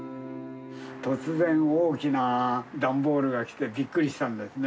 突然、大きな段ボールが来てびっくりしたんですね。